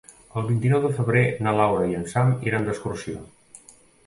El vint-i-nou de febrer na Laura i en Sam iran d'excursió.